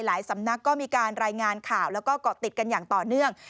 สำนักก็มีการรายงานข่าวแล้วก็เกาะติดกันอย่างต่อเนื่อง